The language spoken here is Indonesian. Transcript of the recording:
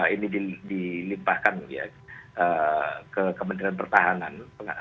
ini dilimpahkan ke kementerian pertahanan